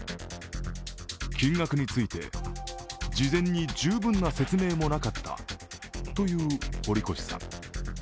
金額について事前に十分な説明もなかったという堀越さん。